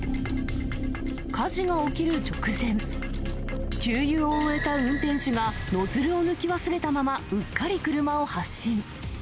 火事が起きる直前、給油を終えた運転手が、ノズルを抜き忘れたまま、うっかり車を発進。